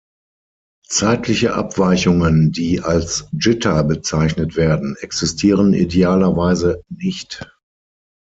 Zeitliche Abweichungen, die als Jitter bezeichnet werden, existieren idealerweise nicht.